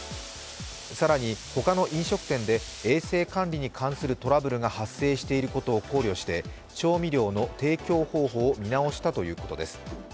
更に他の飲食店で衛生管理に関するトラブルが発生していることを考慮して調味料の提供方法を見直したということです。